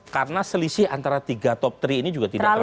karena selisih antara tiga top three ini juga tidak terlalu jauh